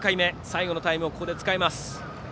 最後のタイムをここで使います。